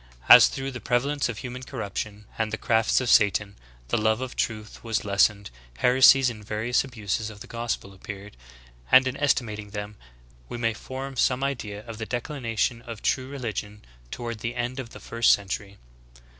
As, through the prevalence of human corruption and the crafts of Satan, the love of truth was lessened, heresies and various abuses of the gospel appeared; and in estimat ing them we may form some idea of the declension of true religion toward the end of the [first] century."